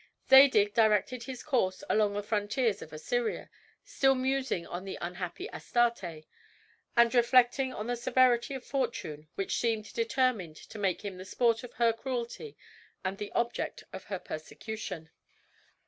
Zadig directed his course along the frontiers of Assyria, still musing on the unhappy Astarte, and reflecting on the severity of fortune which seemed determined to make him the sport of her cruelty and the object of her persecution.